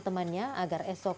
berangkat sekolah kami satu